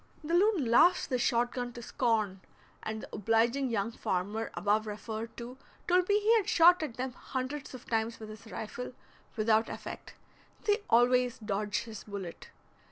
The loon laughs the shot gun to scorn, and the obliging young farmer above referred to told me he had shot at them hundreds of times with his rifle, without effect, they always dodged his bullet.